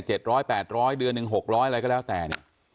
แปดร้อยเดือนหนึ่งหกร้อยอะไรก็แล้วแต่เนี่ย